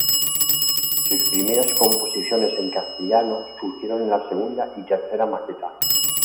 Sus primeras composiciones en castellano surgieron en la segunda y tercera maqueta.